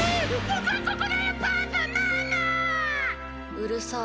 うるさい。